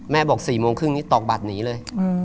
บอก๔โมงครึ่งนี้ตอกบัตรหนีเลย